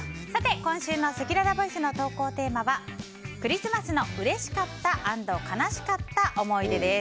今週のせきららボイスの投稿テーマはクリスマスのうれしかった＆悲しかった思い出です。